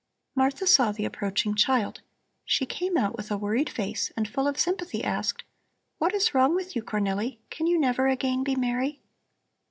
Martha saw the approaching child. She came out with a worried face and full of sympathy asked: "What is wrong with you, Cornelli? Can you never again be merry?"